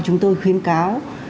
chúng tôi khuyến cáo